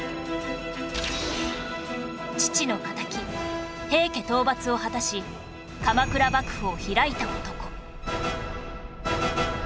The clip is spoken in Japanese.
父の敵平家討伐を果たし鎌倉幕府を開いた男